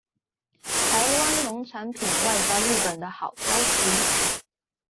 臺灣農產品外銷日本的好消息